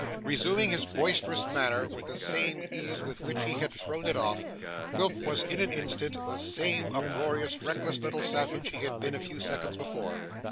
Resuming his boisterous manner with the same ease with which he had thrown it off, Quilp was in an instant the same uproarious, reckless little savage he had been a few seconds before.